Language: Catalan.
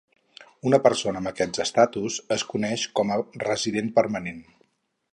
Una persona amb aquest estatus es coneix com a resident permanent.